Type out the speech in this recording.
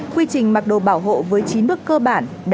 quy trình mặc đồ bảo hộ với chín bước cơ bản